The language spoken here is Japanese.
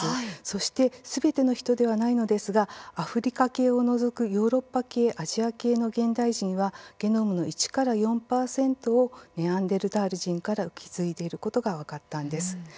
そしてすべての人ではないのですがアフリカ系を除くヨーロッパ系・アジア系の現代人は、ゲノムの１から４％をネアンデルタール人から受け継いでいることが分かったんです。